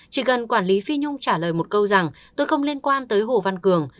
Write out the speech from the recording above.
chỉ cần quản lý phi nhung trả lời một câu rằng tôi không liên quan tới hồ văn cường